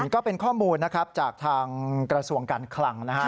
ก็เป็นข้อมูลนะครับจากทางกระทรวงการคลังนะฮะ